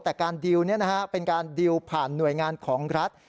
แต่การดีลเป็นการดีลผ่านหน่วยงานของรัฐ